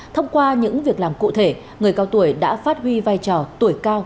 thông qua những việc làm cụ thể người cao tuổi đã phát huy vai trò tuổi cao